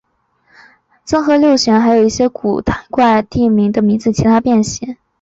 增六和弦还有一些有着古怪地名的名字的其他变形。